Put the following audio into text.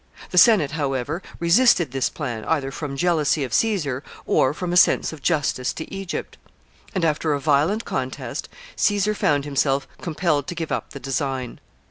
The Senate, however, resisted this plan, either from jealousy of Caesar or from a sense of justice to Egypt; and, after a violent contest, Caesar found himself compelled to give up the design.